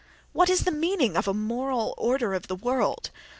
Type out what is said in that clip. What is the meaning of a "moral order of the world"?